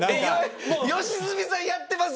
良純さんやってます？